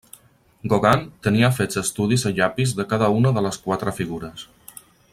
Gauguin tenia fets estudis a llapis de cada una de les quatre figures.